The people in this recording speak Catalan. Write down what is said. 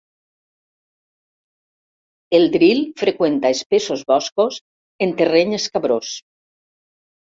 El dril freqüenta espessos boscos en terreny escabrós.